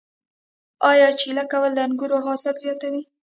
آیا چیله کول د انګورو حاصل زیاتوي؟